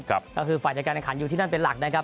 ก็คือฝ่ายจัดการแข่งขันอยู่ที่นั่นเป็นหลักนะครับ